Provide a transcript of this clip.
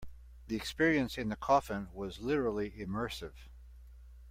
The experience in the coffin was literally immersive.